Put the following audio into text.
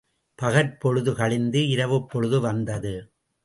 பகற்பொழுது கழிந்து இரவுப்பொழுது வந்தது.